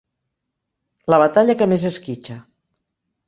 La batalla que més esquitxa.